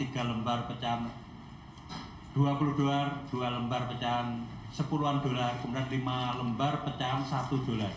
di capital perarente pusat